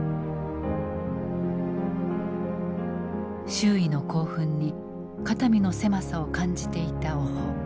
周囲の興奮に肩身の狭さを感じていた於保。